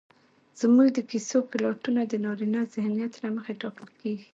زموږ د کيسو پلاټونه د نارينه ذهنيت له مخې ټاکل کېږي